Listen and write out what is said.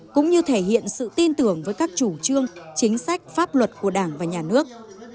cũng như thể hiện sự tin tưởng với các chủ trương chính sách pháp luật của đảng và nhà nước